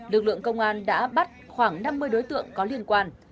lực lượng công an đã bắt khoảng năm mươi đối tượng có liên quan